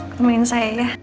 ketemuin saya ya